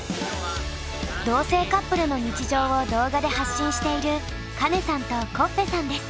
同性カップルの日常を動画で発信しているカネさんとコッフェさんです。